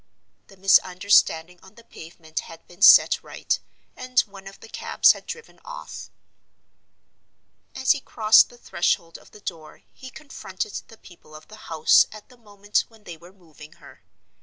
The misunderstanding on the pavement had been set right, and one of the cabs had driven off. As he crossed the threshold of the door he confronted the people of the house at the moment when they were moving her.